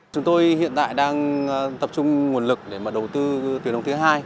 chúng tôi hiện tại đang tập trung nguồn lực để đầu tư tuyển ống thứ hai